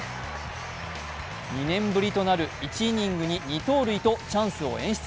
２年ぶりとなる１イニングに２盗塁とチャンスを演出。